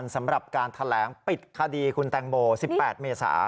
สำหรับการแถลงปิดคดีคุณแตงโม๑๘เมษา